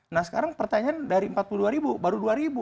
nah sekarang pertanyaan dari empat puluh dua ribu baru dua ribu